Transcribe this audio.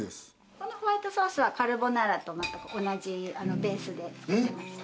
このホワイトソースはカルボナーラとまったく同じベースで作ってまして。